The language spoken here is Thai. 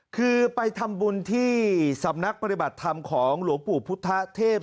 คือไปทำบุญที่สำนักปฏิบัติธรรมของหลวงปู่พุทธเทพ